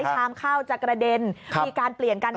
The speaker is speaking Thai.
ชามเข้าจะกระเด็นมีการเปลี่ยนกัน